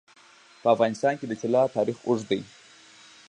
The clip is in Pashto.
په افغانستان کې د طلا تاریخ اوږد دی.